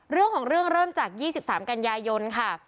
เรื่องของเรื่องเริ่มจากยี่สิบสามกันยายนค่ะ